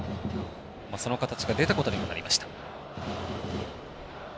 その形が出たことにもなりました。